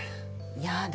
やだ